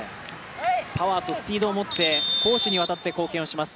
パワーとスピードをもって攻守で貢献します